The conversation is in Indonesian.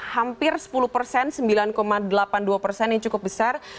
hampir sepuluh persen sembilan delapan puluh dua persen yang cukup besar